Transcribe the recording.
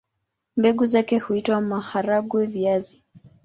Mbegu zake huitwa maharagwe-viazi.